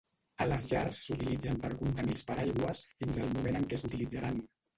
A les llars s'utilitzen per contenir els paraigües fins al moment en què s'utilitzaran.